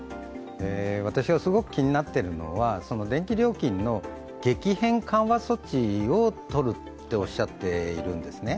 私が気になっているのは電気料金の激変緩和措置を取るっておっしゃってるんですね。